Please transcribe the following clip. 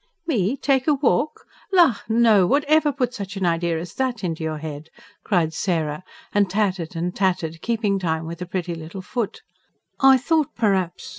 "Me take a walk? La, no! Whatever put such an idea as that into your head?" cried Sarah; and tatted and tatted, keeping time with a pretty little foot. "I thought per'aps